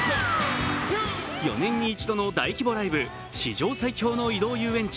４年に一度の大規模ライブ、史上最強の移動遊園地